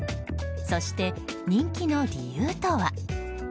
そして、人気の理由とは。